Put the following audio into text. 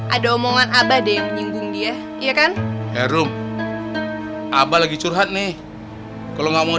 ada omongan abah deh menyinggung dia iya kan herum abah lagi curhat nih kalau nggak mau